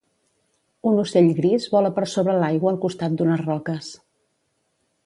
Un ocell gris vola per sobre l'aigua al costat d'unes roques.